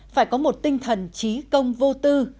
phải có một tinh thần chí công vô tư